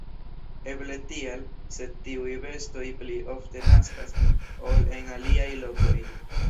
Eble tial, sed tiuj bestoj pli ofte naskas, ol en aliaj lokoj.